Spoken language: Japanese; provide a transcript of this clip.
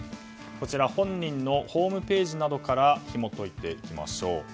本人のホームページなどからひも解いていきましょう。